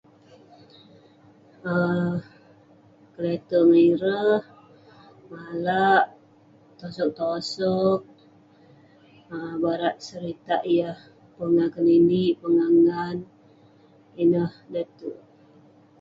um kle'terk ngan ireh, malak, tosog tosog, um barak seritak yah pongah keninik, pongah ngan. ineh le'terk..